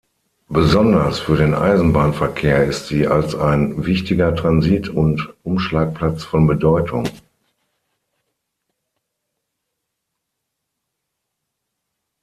Besonders für den Eisenbahnverkehr ist sie als ein wichtiger Transit- und Umschlagplatz von Bedeutung.